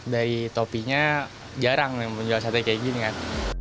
dari topinya jarang yang penjual sate kayak gini kan